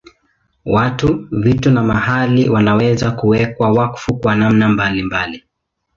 Watu, vitu na mahali wanaweza kuwekwa wakfu kwa namna mbalimbali.